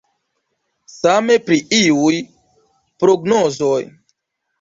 Same pri iuj prognozoj.